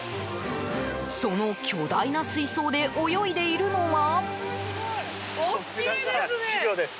その巨大な水槽で泳いでいるのは。